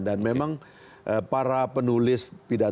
dan memang para penulis pidato presiden itu juga